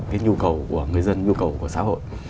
cái nhu cầu của người dân nhu cầu của xã hội